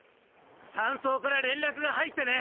山荘から連絡が入ってね。